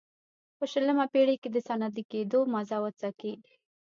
په شلمه پېړۍ کې د صنعتي کېدو مزه وڅکي.